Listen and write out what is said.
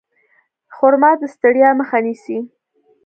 خرما د ستړیا مخه نیسي.